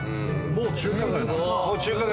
もう中華街です。